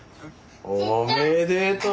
おめでとう！